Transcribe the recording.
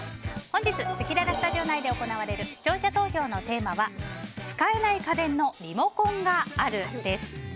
本日せきららスタジオ内で行われる視聴者投票のテーマは使えない家電のリモコンがあるです。